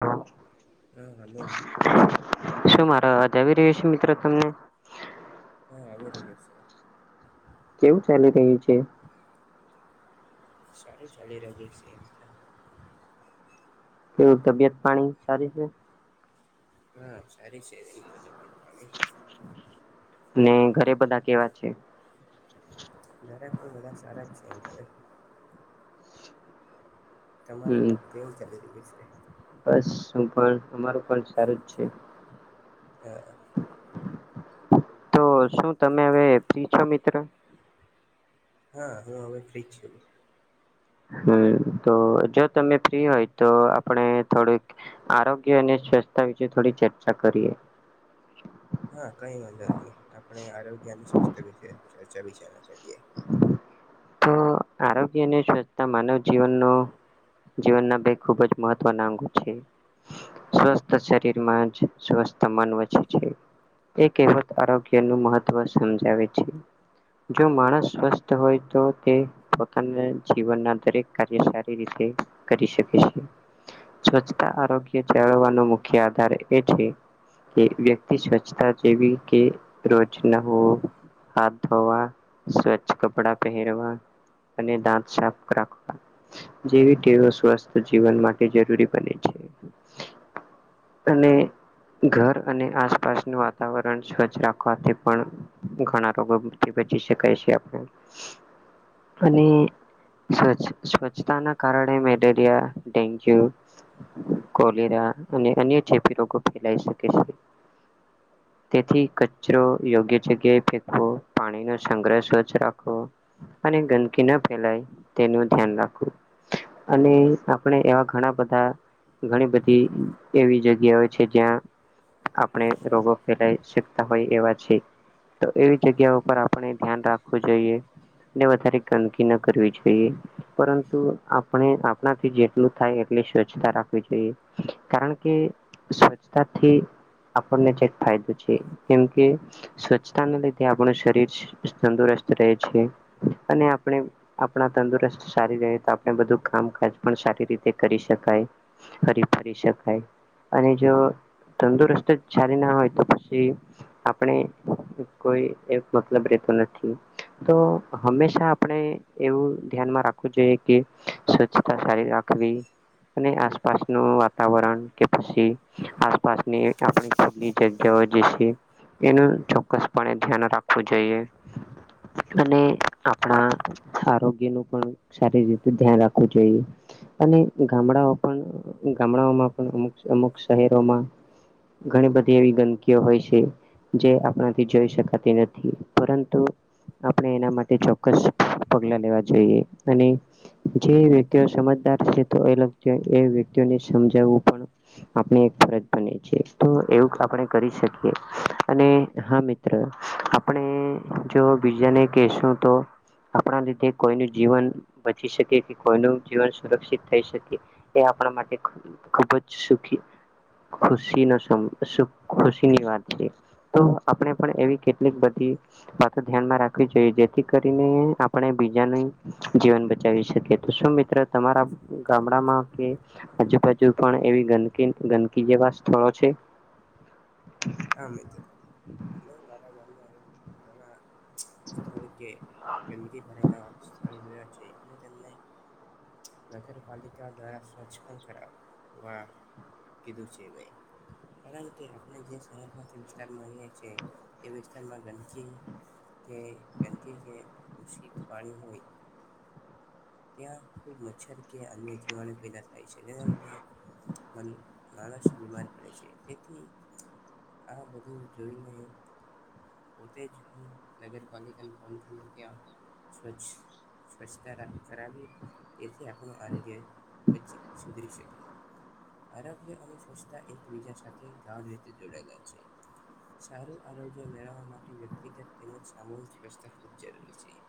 હા. હા હલો. શું મારો અવાજ આવી રહ્યો છે મિત્રો તમને. હ આવી રહ્યો છે. કેવું ચાલી રહ્યું છે. સારું ચાલી રહ્યું છે. કેવું તબિયત પાણી સારી છે. હા સારી છે તો. ને ઘરે બધા કેવા છે. જ્યારે પણ બધા સારા જ ચેન્જ કર. તમારું હમ કેવું ચાલી રહ છે. બસ શું પણ અમારું પણ સારું જ છે. હ. તો શું તમે હવે ફ્રી છો મિત્રો. હા હવે ફ્રી છું. હમ તો જો તમે ફ્રી હોય તો આપણે થોડુંક આરોગ્ય અને સંસ્થતા વિશે થોડી ચર્ચા કરીએ. હા કઈ વાંધર નહી આપણે આરોગ્યની સ્વસ્થ વિશે ચર્ચા વિશે કરી. તો આરોગ્ય અને સ્વચ્છતા માનવ જીવનનો જીવનના બે ખૂબ જ મહત્વના અંગો છે. સ્વસ્થ શરીરમાં જ સ્વસ્થ મન વચે છે એવ આરોગ્યનું મહત્વ સમજાવે છે જો માણસ. સ્વસ્થ હોય તો તે પોતાના જીવનના દરેક કાર્ય સારી રીતે કરી શકે. સ્વચ્છતા આરોગ્ય જાળવવાનો મુખ્ય આધાર એ છે. કે વ્યક્તિ સ્વચ્છતા જેવી કે રોજના હો. હાથ ધોવા સ્વચ્છ કપડા પહેરવા. અને દાંત સાફ રાખવા જેવી ટેવ સ્વસ્થ જીવન માટે જરૂરી બને છે. અને ઘર અને આસપાસનું વાતાવરણ સ્વચ્છ રાખવાથી પણ ઘણા રોગોથી બચી શકે. ક છે આપણે અને. સ્વ્છ સ્વચ્છતાના કારણે મેલેરિયા ડેન્ગ્યુ. કોલેરા અને અન્ય જેી રોગો ફેલાઈ શકે છે. તેથી કચરો યોગ્ય જગ્યાએ ફેકવો પાણીનો. સંગ્રહ સ્વચ્છ રાખો અને ગંદકી ના ફેલાય તેનું ધ્યાન રાખું. અને આપણે એવા ઘણા બધા. ઘણી બધી એવી જગ્યા હોય છે જ્યાં આપણે રોગો ફેલાય શકતા હોય એવા છે તો એવી જગ્યા ઉપર ધ્યાન રાખવું જોઈએ. વધારે ગંદકી ન કરવી જોઈએ પરંતુ આપણે આપણાથી જેટલું થાય એ સ્વચ્છતા રાખવી જોઈએ કારણ કે સ્વચ્છતાથી આપણને જે ફાયદો છે કેમ કે સ્વચ્છતાને લીધે આપણું શરીર તંદુરસ્ત રહે છે અને આપણે આપણા તંદુરસ્ત સારી રહે તો આપણે બ કામકાજ પણ સારી રીતે કરી શકાય ફરી ફરી શકાય. અને જો તંદુરસ્ત ચલી ના હોય તો પછી આપણે કોઈ મતલબ રહેતો નથી તો હંમેશા આપણે એવું ધ્યાનમાં રાખવું જોઈએ કે સ્વચ્છતા સારી રાખવી અને આસપાસ નું વાતાવરણ કે પછી આસપાસની આપણી ખૂની જગ્યા એનું ચોક્કસપણે ધ્યાન રાખવું જોઈએ. અને આપણા આરોગ્ય નું પણ સારી રીતે ધ્યાન રાખવું જોઈએ. અને ગામડાઓ પણ ગામડાઓમાં પણ અમુક અમુક શહેરોમાં ઘણી બધી એવી ગંદકીઓ હોય છે જે આપણાથી જોઈ શકાતી નથી પરંતુ આપણે એના માટે ચોક્કસ પગલા લેવા જોઈએ અને જે વ્યક્તિઓ સમજદાર છે અગ એ વક્તિ સમજું પણ આપ ફરજ બ છે તો એવું આપણે કરી શકીએ અને હા મિત્ર આપણે જો બીજાને કહેશું તો આપણા લીધે કોઈનું જીવન બચી શકે કે કોઈનું જીવન સુરક્ષિત થઈ શકે એ આપણા માટે ખબ જ સુખી ખુશી ન ખુશીની વાત છે તો આપણે પણ એવી કેટલી બધ ધ્યાનમાં રાખવી જોઈએ જેથી કરીને આપણે બીજા ન જીવન બચાવી શકીએ. મિત્ર તમારા ગામડામાં કે આજુ બાાજુ પણ એ ગંદકી ગંદકી બીજે પાસ થોડો છે. હા મિત્ર મારા ગામમાં એ સ્થળ કે ગંદગકી ભરાલા સ્થળ જોયા છે અને તેમને નગરપાલિકા દ્વારા સ્વછ પણ કરાવા કીધું છે ભાઈ કારણ કે આપણે જે ગરથી વિસ્તારમાંએ છે એ વિસ્તારમાં ગંદકી કે એ કે જે દૂષિત પાણી હોય ત્યાં ખુબ મચ્છર કે અન્ય જીવનુ પેદા થાય છે [unintelligible] માણસ બીમાર પડે છે તેથી આ બધું જોઈને પોતે જ નગરપાલિકા ને ફોન કર ને કેવા સ્વચ્છ સ્વચ્છતા રા કરાવી એથી આપણું આરોગ્યચ સુધરી શકી આરોગ્ય અને સ્વચછતા એકબીજા સાથે ગ રીતે જોડાયેલા છે [inaudible] સારું આરોગ્ય મેળવવા માટે વ્યક્તિગત તેમજ સામહિક વ્યવસ્થા ખૂબ જરૂરી છે.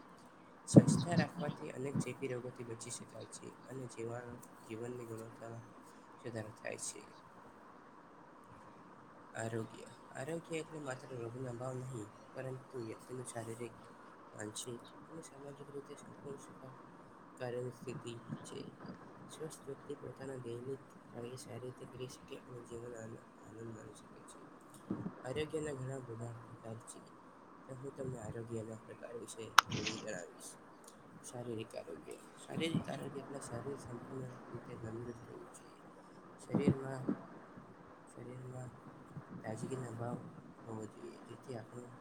હ. સ્વચ્છતા રાખવાથી અને જેથી રોગોથી બચી શકાય છે અને જેવા જીવનની ગુણવતા સુધારે થાય છે. [inaudible] આરોગ્ય આરોગ્ય એટલે માત્ર રોગનો અભાવ નહીં પરંતુતિનું શારીરિક માનસિક અને સામાજિક રીતે સંપૂર્ણધની સ્થિતિ છે. સ્વથ વ્યક્તિ પોતાના સારી રીતે કરી શકે અને જીવન આનંદ મા શકે છે. [inaudible] આરોગ્યના ઘણા બધા પ્રકાર છે. હું તમને આરોગ્યના પ્રકાર વિશે થોડું જણાવીશ. શારીરિક આરોગ્ય. શારીરિક આરોગ્ય એટલે શરીર સંપૂર્ણ રીતે તંદુરસ્ત રહેવું જોઈએ. શરીરમાં, શરીરમાં તાજગી નો અભાવ હોવો જોઈએ, તેથી આપણું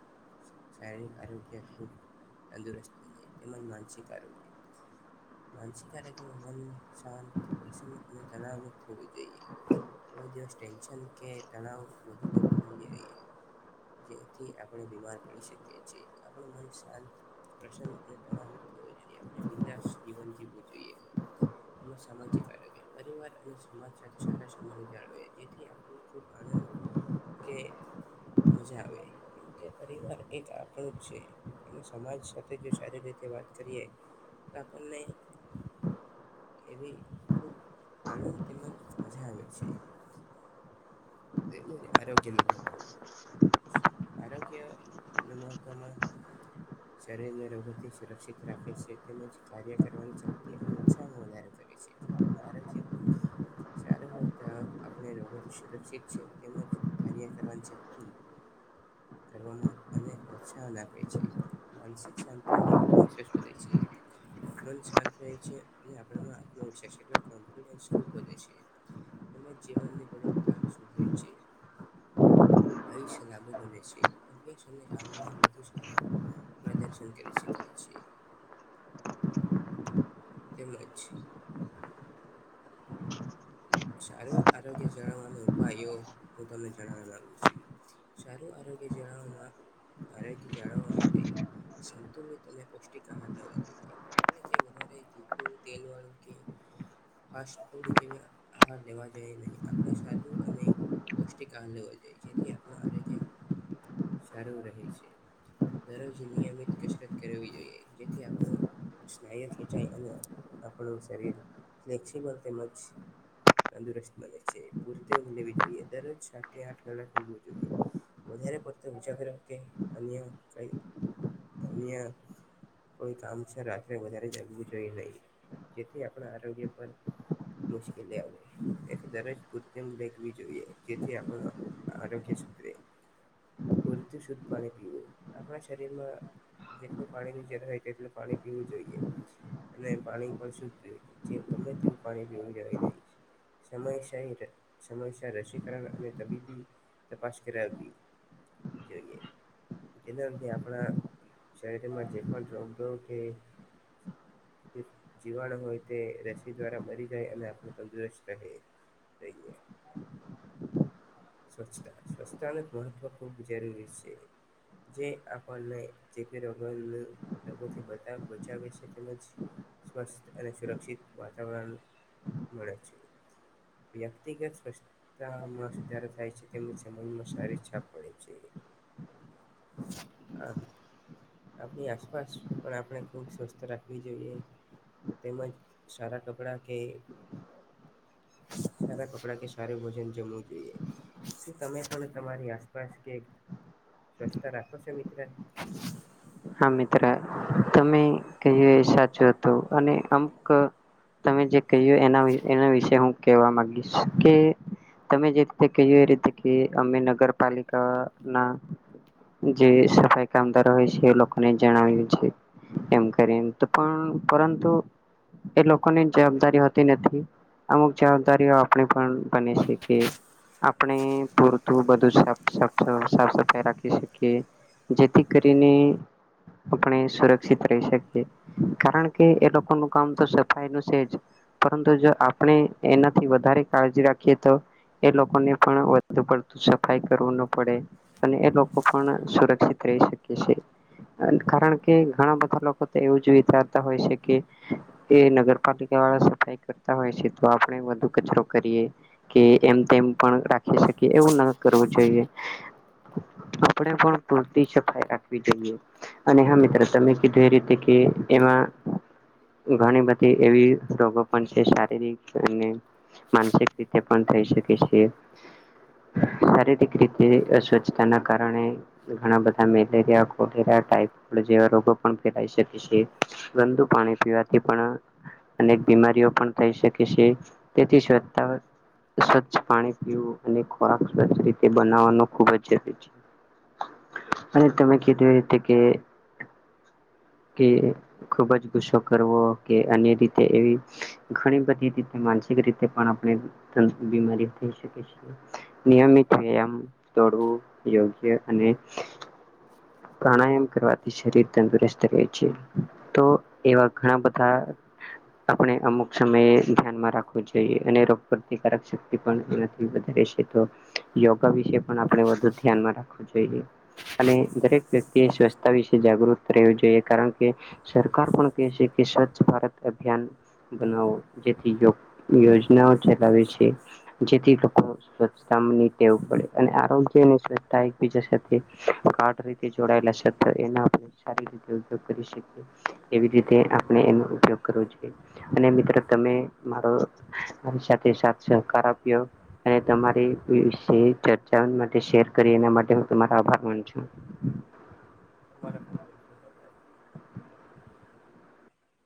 શારીરિક આરોગ્ય ખૂબ તંદુરસ્ત બને, તેમજ માનસિક આરોગ્ય માનસિક આરોગ્ય મન, શાંત, પ્રસન્ન અને તનાવમુક્ત હોવી જોઈએ. કોઈ દિવસ ટેન્શન કે તણાવ વધુ લેવું નહીં જોઈએ. જેથી આપણે બીમાર પડી શકી છીએ. આપણું મન શાંત પ્રસન અને તવ જોઈએ આપ બલા જીવન જીવવું જોઈએ. સામાજિક આરોગ્ય પરિવાર અને સમાજ સાથે સારા સંબંધો જાળ જેથી આપણને ખૂબ આનંદ. કે. મજા આવે કેમ કે પરિવાર એક આપણું જ છે અને સમાજ સાથે સારી રીતે. [unintelligible] એવી ખુબ આનંદ તેમજ મજા આવે છે. તે આરોગ્ય નિર્બંધ આરોગ્ય અને મહતવમાં શરીરને રોગોથી સુરક્ષિત રાખે છે તેમજ કાર્ય કરવાની શક્તિ અને ઉત્સાહમાં વધ [inaudible] તેમજ કાર્ય કરવાની શક્તિ કરવામાં અને પ્રોત્સાહન આપે છે. માનસિક શાંતિ અને આત્મવિશ્વાસ વધે છે મન શાંત રહે છે અને આપ [unintelligible] જીવનની ગુણવતા ગ છે આયુષ્ય લાંબુ બને છે અભ્યાસ કામમાં વધુ સાર માં દર્શન કરી શખાય છે. [unintelligible] તેમજ સારુ આરોગ્ય જાળવવા ના ઉપાયો હું તમને જણાવી આપું છું. કે જણાવામાં આરોગ્ય જાળવવા માટે સંતુલિત અને પૌષ્ટિક આહારવો જોઈએ એટલે કે વધારે તીખું તેલવાળુ કે ફાસ્ટફૂડ જેવા આહાર લેવા જોઈએ નહી આપણે સાદું અને પૌષ્ટિક આહાર લેવા જોઈએ જેથી આપણું આરોગ્ય સારું રહે છે. દરોજ નિયમિત કસરત કરવી જોઈએ જેથી આપડો સ્નાય ખેંચાય અને આપણું શરીર ફલેક્સબલ તેમજ તંદુરસ્ત બને છે પૂરતી ઊંઘ લેવી જોઈએ દરરોજ સાત કે આઠ કલાક ઊંઘવું જોઈએ. વધારે પડતે વિચાર કર્યો કે અન્ય કઈ અન્ય કોઈ કામ છે રાત્રે વધારે જાગવું જોઈ નહી. જેથી આપડા આરોગ્ય પર મુશ્કેલી આવે. એથી દરેક જોઈએ જેથી આપડું આરોગ્ય સુધરે. પૂરતી શુદ્ધ પાણી પીવું આપડા શરીરમાં જેટલું પાણીનું જરૂર હોય તેટલું પાણી પીવું જોઈએ. અને પાણી પણ શુધ પીવું જે ગમ્મે તેવું પાણી પીવું કે નહીં સમય સમયસર રસીકરણ અને તબીબી તપાસ કરાવી. જેના થી આપડા શરીરમાં જે પણ રોગદોગ કે જે જીવાણ હોય તે રસી દ્વારા મરી જાય અને આપડે તંદુરસ્ત રહે રહીએ. સ્વચ્છતા સ્વચ્છતા ને મહત્વ ખૂબ જરૂરી છે. જે આપણને ચેપી રોગોને રોગોથી બચા-બચાવે છે તેમજ સ્વસ્થ અને સુરક્ષિત વાતાવરણ મળે છે. વ્યક્તિગત સ્વચ્છતામાં [unintelligible] થાય છે તેમ સમજમાં સારી છાપ પડે છે. [inaudible] આપણી આસપાસ પણ આપણે ખૂબ સ્વચ્છતા રાખવી જોઈએ તેમજ સારા કપડાં કે [inaudible] સારા કપડા કે સારું ભોજન જમવું જોઈએ તમે પણ તમારી આસપાસ કે સ્વચ્છતા રાખો છો મિત્ર. હા મિત્ર તમે કહીયું એ સાચું હતું અને અમુક તમે જે કહ્યું એના એના વિશે હું કેહેવા માંગીશ કે તમે જે રીતે કહ્યું એ રીતે કે અમે નગરપાલિકા ના જે સફાઈ કામદારો હોય છે લોકો અને જણાવ્યું છે એમ કરી એ તો પણ પરંતુ એ લોકોની જવાબદારી હોતી નથી. અમુક જવાબદારીઓ આપણે પણ બને છે કે આપણે પૂરતું બધું સાફ સાફ સફાઈ રાખી શકીએ જેથી કરીને સુરક્ષિત રહી શકીએ કારણ કે એ લોકોનું કામ તો સફાઈ નું છે જ. પરંતુ જો આપણે એનાથી વધારે કાળજી રાખીએ તો એ લોકોને પણ વધુ પડતી સફાઈ કરવું ન પડે અને એ લોકો પણ સુરક્ષિત રહી શકે છે. કારણ કે ઘણા બધા લોકો તો એવું જ વિચારતા હોય છે કે એ નગરપાલિકા ત્યાં સફાઈ કરતા હોય છે તો આપણે વધુ કચરો કરીએ કે એમ તેમ પણ રાખી એવું ન કરવું જોઈએ આપણે પણ પૂરતી સફાઈ રાખવી જોઈએ. અને હા મિત્ર તમે કીધું એ રીતે કે એમાં ઘણી બધી એવી રોગો પણ છે શારીરિક અને માનસિક રીતે પણ થઈ શકે છે. શારીરિક રીતે સ્વચ્છતાના કારણે ઘણા બધા મેરિયારા રોગો [unintelligible] થાય જેવા રોગો ફેલાઈ શકે છે ગંદુ પાણી પીવાથી પણ અને બીમારીઓ પણ થઈ શકે છે તેથી સ્વચ્છતા સ્વચ્છ પાણી પીવું અને ખોરાક સ્વચ્છ રીતે બનાવવાનું ખુબ જ જરૂરી છે. અને તમે કીધું એ રીતે કે કે ખુબ જ ગુસ્સો કરવો કે અન્ય રીતે એવી ઘણી બધી રીતે મા એવી રીતે ગણી બધી બમારી થઈ શકે છે નિયમિત તોડવું યોગ્ય અને પ્રાણાયામ કરવાથી શરીર તંદુરસ્ત રહે છે તો એવા ઘણા બધા આપણે અમુક સમયે ધ્યાનમાં રાખવું જોઈએ અને રોગ પ્રતિકારક શક્તિ પણ એનાથી વધારે છે. યોગા વિશે પણ આપણે વધુ ધ્યાન રાખવું જોઈએ અને દરેક વ્યક્તિએ સ્વચ્છતા વિશે જાગૃત રહેવું જોઈએ કારણ કે સરકાર પણ કહે છે કે સ્વચ્છ ભારત અભિયાન બનાવો જેથી યોજનાઓ ચલાવે છે જેથી લોકો સ્વચ્છતા હમ કહેવું પડે અને આરોગ્ય સ્વચ્છતા એકબીજા [unintelligible] તે જોડાયેલા ક્ષેત્ર એના ઉપયોગ સારી રીતે કરી શકીએ એવી રીતે આપણે એનો ઉપયોગ કરો અને મિત્ર તમે મારો મારી સાથે સાથ સહકાર આપ્યો અને તમારી વિશે ચર્ચા માટે શેર કરી એના માટે હું તમારા આભાર માન છું. [inaudible] તમારે પણ ખુબ ખુબ આભાર.